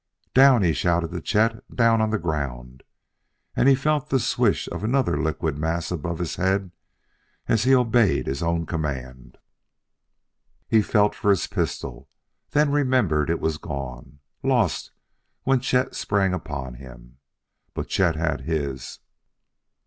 "Down!" he shouted to Chet. "Down on the ground!" And he felt the swish of another liquid mass above his head as he obeyed his own command. He felt for his pistol, then remembered it was gone lost when Chet sprang upon him. But Chet had his.